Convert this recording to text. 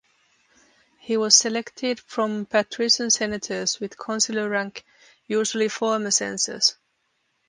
He was selected from patrician senators with consular rank, usually former censors.